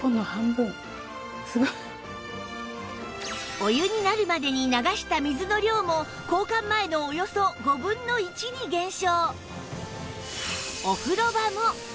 お湯になるまでに流した水の量も交換前のおよそ５分の１に減少